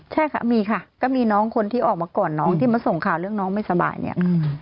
ใช่ค่ะมีค่ะก็มีน้องคนที่ออกมาก่อนน้องที่มาส่งข่าวเรื่องน้องไม่สบายเนี่ย